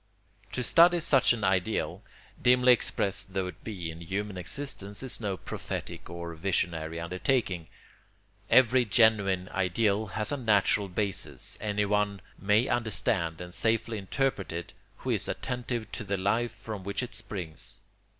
] To study such an ideal, dimly expressed though it be in human existence, is no prophetic or visionary undertaking. Every genuine ideal has a natural basis; anyone may understand and safely interpret it who is attentive to the life from which it springs.